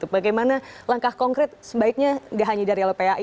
bagaimana langkah konkret sebaiknya gak hanya dari lpai